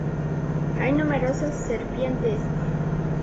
Hay numerosas serpientes.